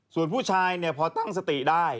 ส่วนผู้ชายเนี่ยพอตั้งสติได้